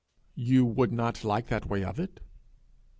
You would not like that way of it?